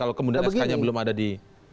kalau kemudian sk nya belum ada di